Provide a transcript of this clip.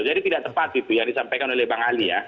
jadi tidak tepat itu yang disampaikan oleh bang ali ya